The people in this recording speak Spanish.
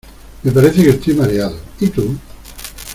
Me parece que estoy mareado, ¿y tú?